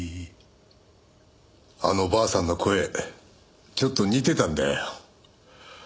あのばあさんの声ちょっと似てたんだよ。